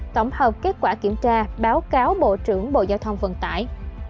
tổng hợp kết quả kiểm tra báo cáo bộ trưởng bộ giao thông vận tải